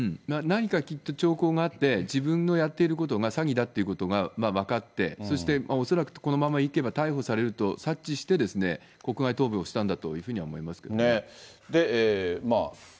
何かきっと兆候があって、自分のやっていることが詐欺だということが分かって、そして恐らくこのままいけば逮捕されると、察知して、国外逃亡したんだというふうには思いますけどもね。